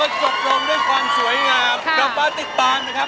มาแล้ววันนี้เราก็สดลงด้วยความสวยงามกับป้าติ๊กปานนะครับ